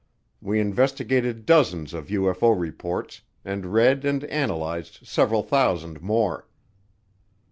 We investigated dozens of UFO reports, and read and analyzed several thousand more.